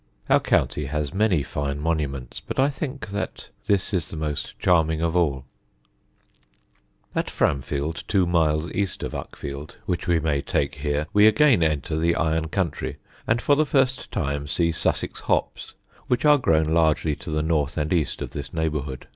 Our county has many fine monuments, but I think that, this is the most charming of all. [Sidenote: FRAMFIELD] At Framfield, two miles east of Uckfield, which we may take here, we again enter the iron country, and for the first time see Sussex hops, which are grown largely to the north and east of this neighbourhood.